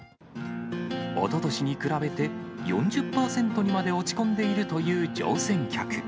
おととしに比べて４０％にまで落ち込んでいるという乗船客。